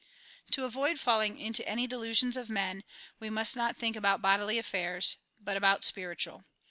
To avoid falling into any delusions of men, we must not think about bodily affairs, but about spiritual.